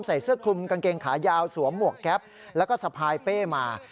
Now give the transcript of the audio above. ใส่เสื้อคลุมกางเกงขายาวสวมหมวกแก๊ปแล้วก็สะพายเป้มา